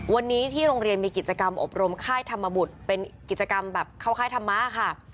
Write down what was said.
วันนี้ที่โรงเรียนมีกิจกรรมอบรมค่ายธรรมบุตรเป็นกิจกรรมแบบเข้าค่ายธรรมะค่ะ